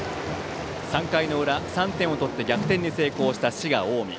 ３回の裏３点を取って逆転に成功した滋賀・近江。